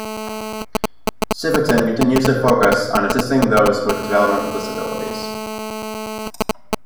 Civitan continues to focus on assisting those with developmental disabilities.